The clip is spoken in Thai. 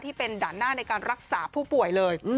ที่เป็นด่านหน้าในการรักษาผู้ป่วยเลย